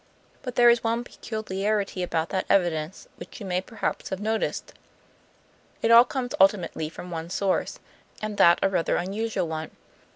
But there is one peculiarity about that evidence, which you may perhaps have noticed. It all comes ultimately from one source, and that a rather unusual one.